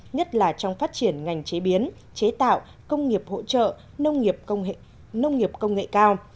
nhất là trong phát triển ngành chế biến chế tạo công nghiệp hỗ trợ nông nghiệp công nghệ cao